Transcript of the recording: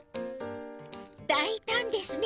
だいたんですね。